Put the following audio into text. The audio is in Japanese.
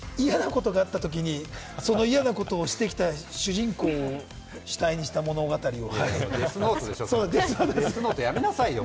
嫌なことがあったときに、嫌なことをしてきた主体を主人公にしたものを。